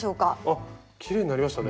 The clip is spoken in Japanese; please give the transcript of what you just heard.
あきれいになりましたね。